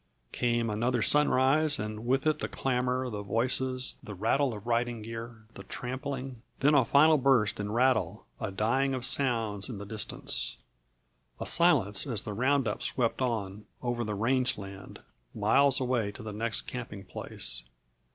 Came another sunrise and with it the clamor, the voices, the rattle of riding gear, the trampling. Then a final burst and rattle, a dying of sounds in the distance, a silence as the round up swept on over the range land, miles away to the next camping place.